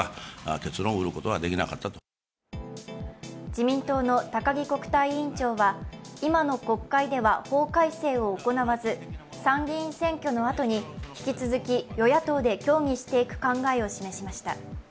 自民党の高木国対委員長は、今の国会では法改正を行わず参議院選挙のあとに引き続き与野党で協議していく考えを示しました。